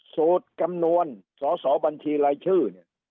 สูตรกำนวณสอสอบัญชีรายชื่อ